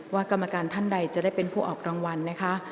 กรรมการท่านใดจะได้เป็นผู้ออกรางวัลนะคะ